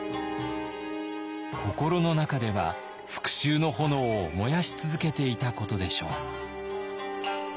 心の中では復しゅうの炎を燃やし続けていたことでしょう。